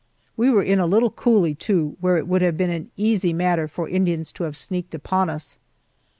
We were in a little coulee, too, where it would have been an easy matter for Indians to have sneaked upon us.